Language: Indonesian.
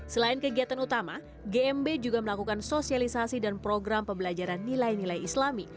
selain kegiatan utama gmb juga melakukan sosialisasi dan program pembelajaran nilai nilai islami